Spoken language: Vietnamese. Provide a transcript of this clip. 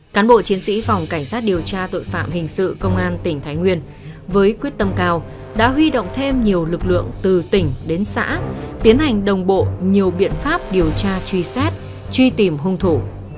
cán bộ chiến sĩ phòng cảnh sát điều tra tội phạm hình sự công an tỉnh thái nguyên với quyết tâm cao đã huy động thêm nhiều lực lượng từ tỉnh đến xã tiến hành đồng bộ nhiều biện pháp điều tra truy xét truy tìm hung thủ